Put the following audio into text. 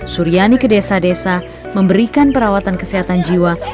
suryani ke desa desa memberikan perawatan kesehatan jiwa